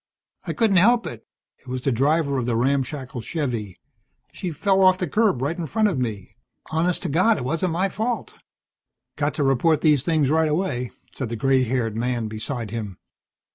"I couldn't help it." It was the driver of the ramshackle Chevvie. "She fell off the curb right in front of me. Honest to God, it wasn't my fault." "Got to report these things right away," said the grey haired man beside him.